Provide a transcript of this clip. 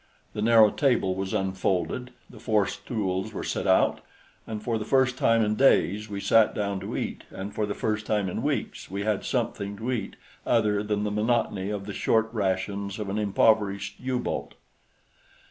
The narrow table was unfolded; the four stools were set out; and for the first time in days we sat down to eat, and for the first time in weeks we had something to eat other than the monotony of the short rations of an impoverished U boat.